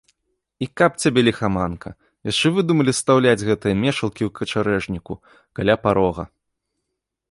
І каб цябе ліхаманка, яшчэ выдумалі стаўляць гэтыя мешалкі ў качарэжніку, каля парога.